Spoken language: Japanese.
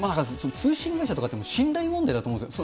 通信会社って、信頼問題だと思うんですよ。